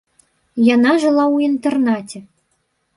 Яна жыла ў інтэрнаце.